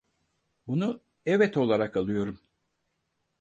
Bunu evet olarak alıyorum.